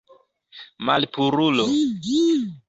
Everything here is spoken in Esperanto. Malpurulo.